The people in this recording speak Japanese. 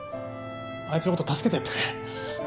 あいつの事助けてやってくれ。